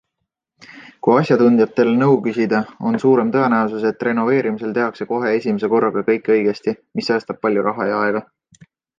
Kui asjatundjatel nõu küsida, on suurem tõenäosus, et renoveerimisel tehakse kohe esimese korraga kõik õigesti, mis säästab palju raha ja aega.